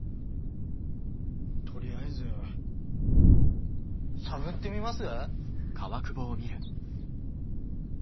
とりあえず探ってみます？